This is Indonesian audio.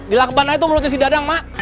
di lakban aja tuh mulutnya si dadang mak